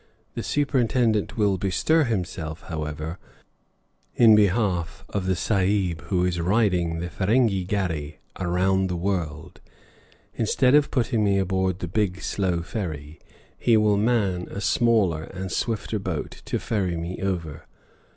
The superintendent will bestir himself, however, in behalf of the Sahib who is riding the Ferenghi gharri around the world: instead of putting me aboard the big slow ferry, he will man a smaller and swifter boat to ferry me over.